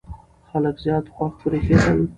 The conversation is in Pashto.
خلک زیات خوښ برېښېدل.